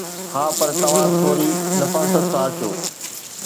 ها، پر توهان ٿوري نفاست سان اچو